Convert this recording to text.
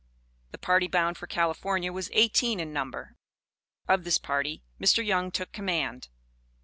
The party bound for California was eighteen in number. Of this party Mr. Young took command.